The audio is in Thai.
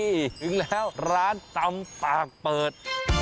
ถึงแล้วร้านตำปากเปิด